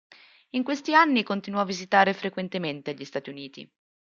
In questi anni continuò a visitare frequentemente gli Stati Uniti.